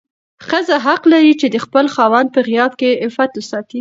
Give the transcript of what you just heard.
ښځه حق لري چې د خپل خاوند په غياب کې عفت وساتي.